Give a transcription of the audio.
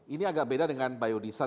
ini agak beda dengan biodiesel